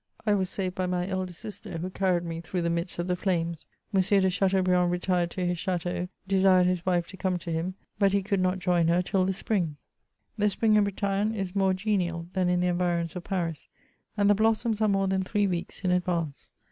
I was saved by my eldest sister, who carried me through the midst of the fiames. M. de Chateaubriand retired to his ch&teau, de sired his wife to come to him ; but he could not join her till the springs* The spring in Bretagne is more genial than in the environs of Paris, and the blossoms are more than three weeks in advance.